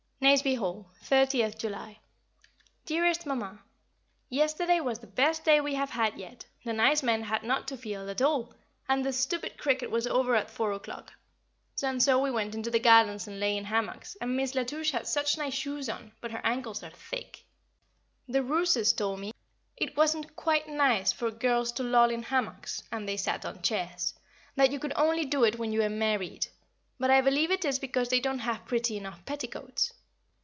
Nazeby Hall, 30th July. Dearest Mamma, Yesterday was the best day we have had yet; the nice men had not to field at all, and the stupid cricket was over at four o'clock, and so we went into the gardens and lay in hammocks, and Miss La Touche had such nice shoes on, but her ankles are thick. [Sidenote: Ghosts in the Corridor] The Rooses told me it wasn't "quite nice" for girls to loll in hammocks (and they sat on chairs) that you could only do it when you are married; but I believe it is because they don't have pretty enough petticoats.